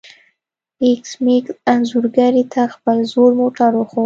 ایس میکس انځورګرې ته خپل زوړ موټر وښود